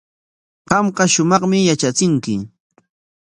Qamqa shumaqmi yatrachinki.